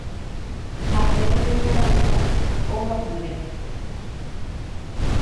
Ha'e oñangareko ogapýre.